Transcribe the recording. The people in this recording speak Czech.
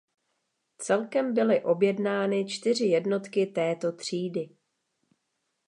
Celkem byly objednány čtyři jednotky této třídy.